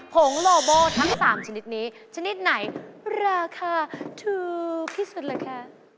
ผงโลโบทั้ง๓ชนิดนี้ชนิดไหนราคาถูกที่สุดเหรอคะ